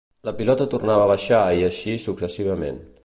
La pilota tornava a baixar i així successivament.